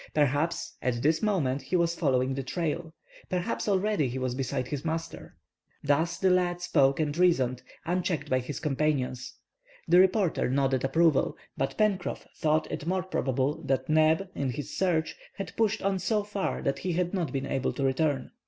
Perhaps, at this moment he was following the trail. Perhaps, already, he was beside his master. Thus the lad spoke and reasoned, unchecked by his companions. The reporter nodded approval, but Pencroff thought it more probable that Neb, in his search, had pushed on so far that he had not been able to return.